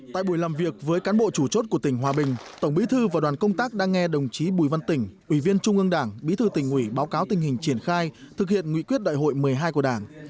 tại buổi làm việc với cán bộ chủ chốt của tỉnh hòa bình tổng bí thư và đoàn công tác đã nghe đồng chí bùi văn tỉnh ủy viên trung ương đảng bí thư tỉnh ủy báo cáo tình hình triển khai thực hiện nghị quyết đại hội một mươi hai của đảng